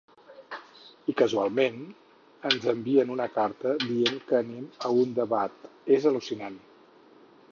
I casualment ens envien una carta dient que anem a un debat, és al·lucinant.